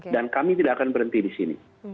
dan kami tidak akan berhenti di sini